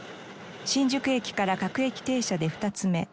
新宿駅から各駅停車で２つ目。